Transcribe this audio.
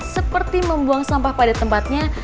seperti membuang sampah pada tempatnya